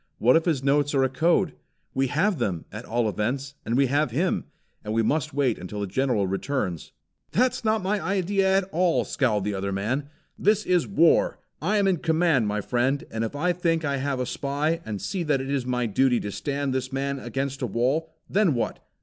What if his notes are a code? We have them, at all events; and we have him; and we must wait until the General returns." "That's not my idea at all!" scowled the other man. "This is war. I am in command, my friend, and if I think I have a spy, and see that it is my duty to stand this man up against a wall, then what?